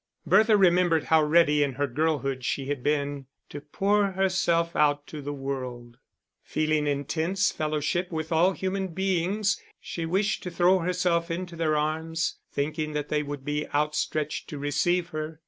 Bertha remembered how ready in her girlhood she had been to pour herself out to the world. Feeling intense fellowship with all human beings, she wished to throw herself into their arms, thinking that they would be outstretched to receive her.